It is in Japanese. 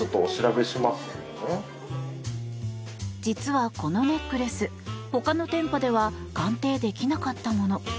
実はこのネックレスほかの店舗では鑑定できなかったもの。